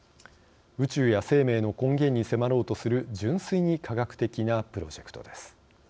宇宙や生命の根源に迫ろうとする純粋に科学的なプロジェクトです。